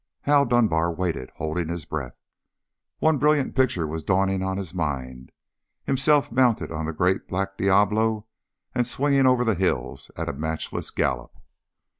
Hal Dunbar waited, holding his breath. One brilliant picture was dawning on his mind himself mounted on great black Diablo and swinging over the hills at a matchless gallop.